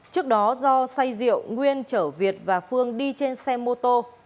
trước đó do say rượu nguyên chở việt và phương đi trên xe mô tô